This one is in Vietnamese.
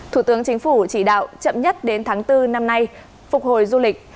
thủ tướng chính phủ chỉ đạo chậm nhất đến tháng bốn năm nay phục hồi du lịch